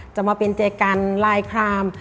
จะมาเป็นเจกันลายคราม